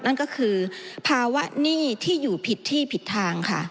นั่นก็คือภาวะหนี้ที่อยู่ผิดที่ผิดทางค่ะ